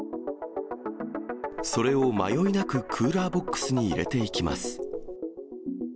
それを迷いなくクーラーボックスに入れていきます。